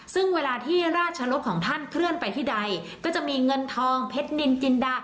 ซึ่งเวลาที่ราชรบของท่านเคลื่อนไปที่ใดก็จะมีเงินทองเพชรนินจินดา